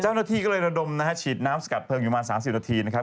เจ้าหน้าที่ก็เลยระดมนะฮะฉีดน้ำสกัดเพลิงอยู่ประมาณ๓๐นาทีนะครับ